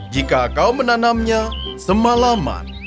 jika kau menanamnya semalaman